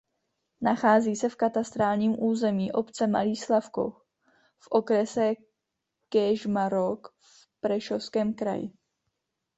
Nachází se v katastrálním území obce Malý Slavkov v okrese Kežmarok v Prešovském kraji.